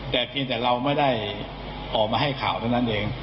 แต่เพียงแต่เราไม่ได้ออกมาให้ข่าวเท่านั้นเอง